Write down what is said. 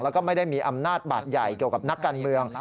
แล้วก็ไม่ได้มีอำนาจบาดใหญ่เกี่ยวกับนักการเมือง